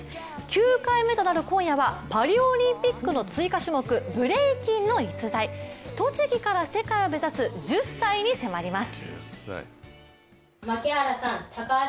９回目となる今夜はパリオリンピックの追加種目、ブレイキンの逸材栃木から世界を目指す１０歳に迫ります。